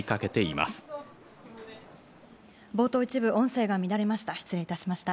オート一部、音声が乱れました。